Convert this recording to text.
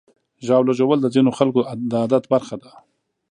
ژاوله ژوول د ځینو خلکو د عادت برخه ده.